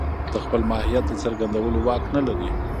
د خپل ماهيت د څرګندولو واک نه لري.